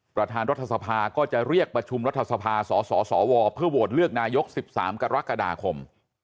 ประธานรัฐสภาก็จะเรียกประชุมรัฐสภาสสวเพื่อโหวตเลือกนายก๑๓กรกฎาคม